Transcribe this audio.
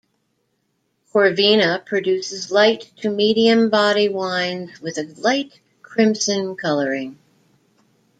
Corvina produces light to medium body wines with a light crimson coloring.